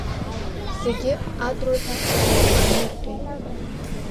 Зегьы адруҳәа рнапқәа ааинырҟьеит.